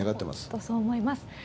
本当そう思います。